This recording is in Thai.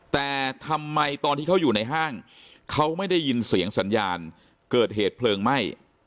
แต่ทำไมตอนที่เขาอยู่ในห้างเขาไม่ได้ยินเสียงสัญญาณเกิดเหตุเพลิงไหม้